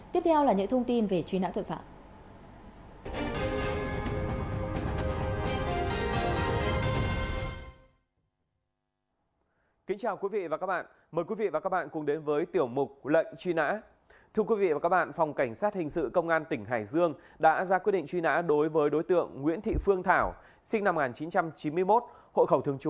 tiếp theo là những thông tin về truy nãn tội phạm